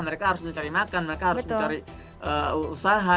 mereka harus mencari makan mereka harus mencari usaha